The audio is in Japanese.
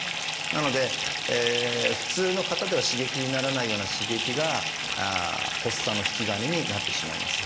なので普通の方では刺激にならないような刺激が発作の引き金になってしまいます。